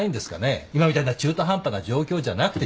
今みたいな中途半端な状況じゃなくて。